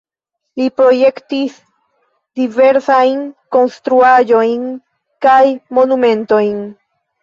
Li projektis diversajn konstruaĵojn kaj monumentojn.